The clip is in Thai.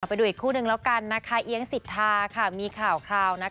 ไปดูอีกคู่นึงแล้วกันเอี๊ยงสิดทามีข่าว